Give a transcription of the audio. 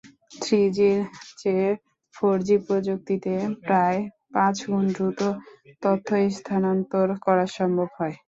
থ্রিজির চেয়ে ফোরজি প্রযুক্তিতে প্রায় পাঁচগুণ দ্রুত তথ্য স্থানান্তর করা সম্ভব হয়।